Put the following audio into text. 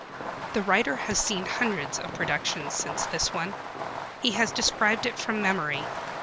The writer has seen hundreds of productions since this one. He has described it from memory.